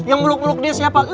yang meluk muluk dia siapa